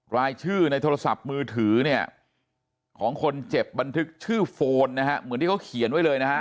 รายชื่อในโทรศัพท์มือถือเนี่ยของคนเจ็บบันทึกชื่อโฟนนะฮะเหมือนที่เขาเขียนไว้เลยนะฮะ